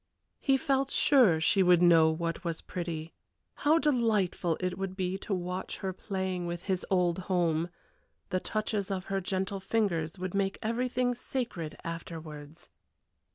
He felt sure she would know what was pretty. How delightful it would be to watch her playing with his old home! The touches of her gentle fingers would make everything sacred afterwards.